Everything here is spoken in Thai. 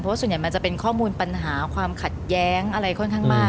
เพราะส่วนใหญ่มันจะเป็นข้อมูลปัญหาความขัดแย้งอะไรค่อนข้างมาก